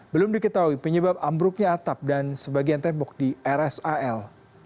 belum diketahui penyebab ambruknya atap dan sebagian tembok di rsal